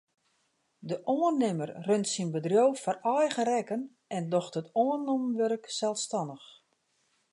De oannimmer runt syn bedriuw foar eigen rekken en docht it oannommen wurk selsstannich.